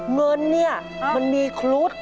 เงินเนี่ยมันมีครุฑ